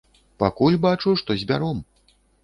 Пакуль бачу, што збяром.